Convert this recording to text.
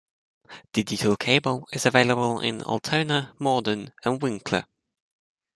Digital cable is available in Altona, Morden, and Winkler.